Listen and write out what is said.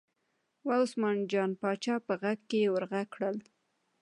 وه عثمان جان پاچا په غږ یې ور غږ کړل.